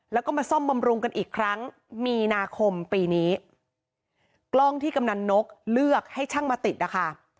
แล้วก็มาซ่อมบำรุงกันอีกครั้งมีนาคมปีนี้กล้องที่กำนันนกเลือกให้ช่างมาติดนะคะ